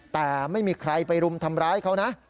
แต่ไม่มีใครไปรุมทำร้ายเขานะ